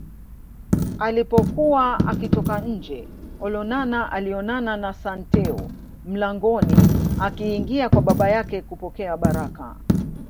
Alipokuwa akitoka nje Olonana alionana na Santeu mlangoni akiingia kwa baba yake kupokea baraka